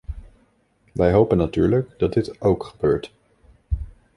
Wij hopen natuurlijk dat dit ook gebeurt.